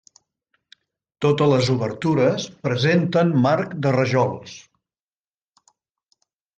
Totes les obertures presenten marc de rajols.